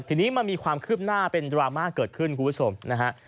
ทีนี้มันมีความคืบหน้าเป็นดราม่าเกิดขึ้นคุณผู้ชมนะฮะ